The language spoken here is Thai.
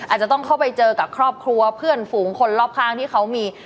อาจจะต้องเข้าไปเจอกับครอบครัวเพื่อนฝูงคนรอบข้างที่เขามี